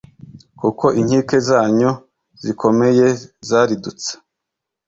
kuko inkike zanyu zikomeye zaridutse.